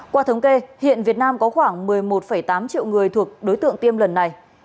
qua thống kê hiện việt nam có khoảng một mươi một tám triệu người thuộc đối tượng tiêm lần này